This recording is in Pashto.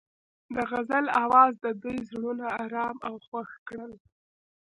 د غزل اواز د دوی زړونه ارامه او خوښ کړل.